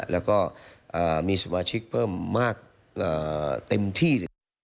แล้วก็มีสมาชิกเพิ่มมากเต็มที่